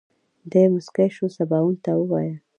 دی موسکی شو سباوون ته ووايه.